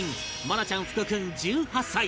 愛菜ちゃん福君１８歳